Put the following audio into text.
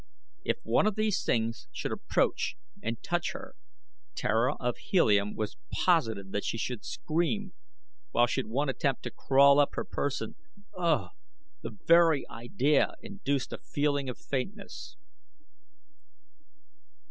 If one of these should approach and touch her Tara of Helium was positive that she should scream, while should one attempt to crawl up her person ugh! the very idea induced a feeling of faintness.